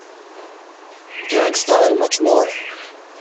Gang Starr and much more.